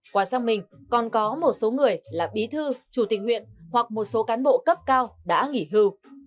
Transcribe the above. qua sang mình còn có một số người là bí thư chủ tịch huyện hoặc một số cán bộ cấp cao đã nghỉ hưu